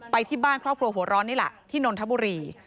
ไปที่บ้านครอบครัวหัวร้อนนี่แหละที่นนทบุรี